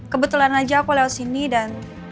kebetulan aja aku lewat sini dan